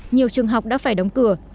nhiều trường học đã phải đóng cửa